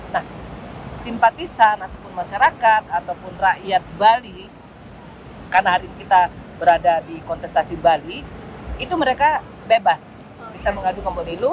nah simpatisan ataupun masyarakat ataupun rakyat bali karena hari ini kita berada di kontestasi bali itu mereka bebas bisa mengajukan pemilu